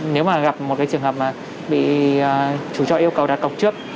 nếu mà gặp một cái trường hợp mà bị chủ trọ yêu cầu đặt cọc trước